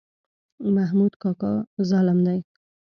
محمود کاکا ظالم دی.